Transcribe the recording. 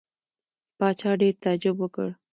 پاچا ډېر تعجب وکړ.